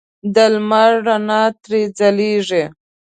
د لمر رڼا ترې ځلېږي.